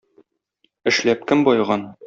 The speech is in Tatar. Эшләп кем баеган?